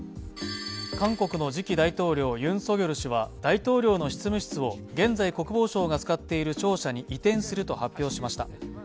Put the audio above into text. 韓国の次期大統領、ユン・ソギョル氏は、大統領の執務室を現在、国防省が使っている庁舎に移転すると発表しました。